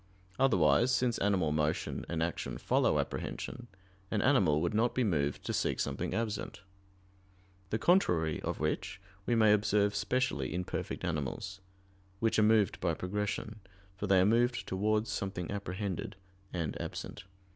Otherwise, since animal motion and action follow apprehension, an animal would not be moved to seek something absent: the contrary of which we may observe specially in perfect animals, which are moved by progression, for they are moved towards something apprehended and absent.